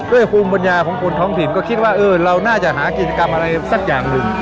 ด้วยภูมิบรรยาของคนท้องผิดก็คิดว่าเออเราน่าจะหากินกรรมอะไรสักอย่างหนึ่ง